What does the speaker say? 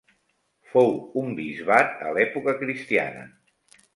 Fou un bisbat a l'època cristiana.